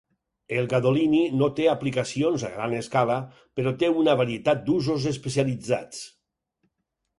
El gadolini no té aplicacions a gran escala però té una varietat d'usos especialitzats.